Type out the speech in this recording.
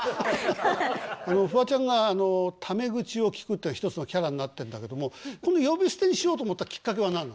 フワちゃんがため口をきくっていうの一つのキャラになってんだけどもこの呼び捨てにしようと思ったきっかけは何なの？